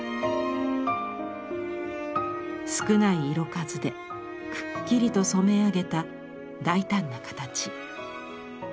少ない色数でくっきりと染め上げた大胆な形。